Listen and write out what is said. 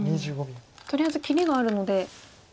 とりあえず切りがあるので。